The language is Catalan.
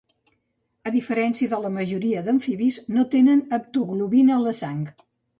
A diferència de la majoria d'amfibis, no tenen haptoglobina a la sang.